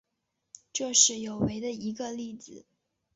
这是有违的一个例子。